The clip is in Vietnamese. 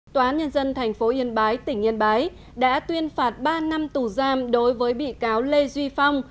tòa án nhân dân tp yên bái tỉnh yên bái đã tuyên phạt ba năm tù giam đối với bị cáo lê duy phong